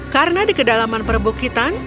karena di kedalaman perbukitan